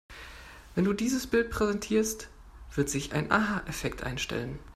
Wenn du dieses Bild präsentierst, wird sich ein Aha-Effekt einstellen.